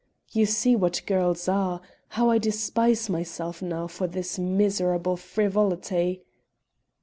You see what girls are. How I despise myself now for this miserable frivolity!